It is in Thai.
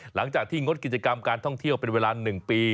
หลังจากที่งดกิจกรรมการท่องเที่ยวเป็นเวลา๑ปี